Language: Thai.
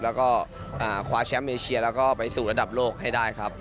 แล้วก็คว้าแชมป์เอเชียแล้วก็ไปสู่ระดับโลกให้ได้ครับ